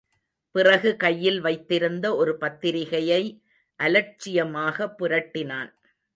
பிறகு கையில் வைத்திருந்த ஒரு பத்திரிகையை அலட்சியமாக புரட்டினான்.